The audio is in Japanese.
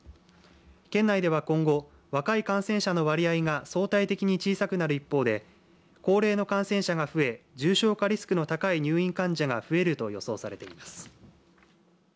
県内では今後若い感染者の割合が相対的に小さくなる一方で高齢の感染者が増え重症化リスクの高い入院患者が増えると予想されています。